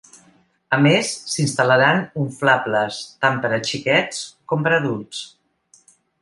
A més, s’instal·laran unflables, tant per a xiquets com per a adults.